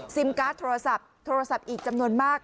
การ์ดโทรศัพท์โทรศัพท์อีกจำนวนมาก